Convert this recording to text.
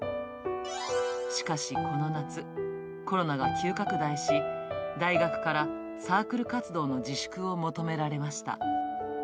しかし、この夏、コロナが急拡大し、大学からサークル活動の自粛を求められました。